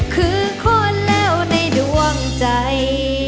คือคนแล้วในดวงใจ